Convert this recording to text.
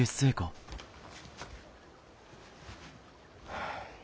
はあ。